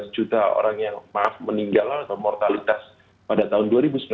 delapan belas juta orang yang meninggal atau mortalitas pada tahun dua ribu sembilan belas